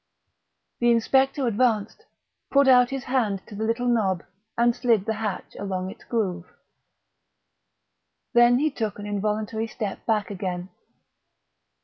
The inspector advanced, put out his hand to the little knob, and slid the hatch along its groove. Then he took an involuntary step back again.